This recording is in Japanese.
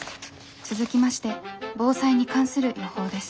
続きまして防災に関する予報です。